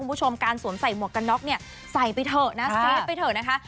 คุณผู้ชมการสวมใส่หมวกกันน็อกเนี่ยใส่ไปเถอะนะเซฟไปเถอะนะคะ